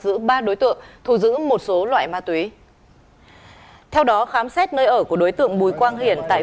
giữ ba đối tượng thu giữ một số loại ma túy theo đó khám xét nơi ở của đối tượng bùi quang hiển tại